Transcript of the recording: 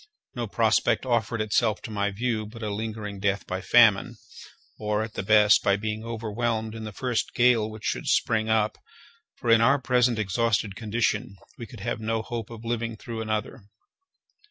No prospect offered itself to my view but a lingering death by famine, or, at the best, by being overwhelmed in the first gale which should spring up, for in our present exhausted condition we could have no hope of living through another.